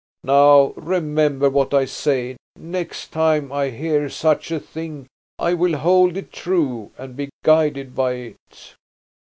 Now remember what I say next time I hear such a thing I will hold it true and be guided by it!"